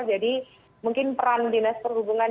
jadi mungkin peran dinas perhubungan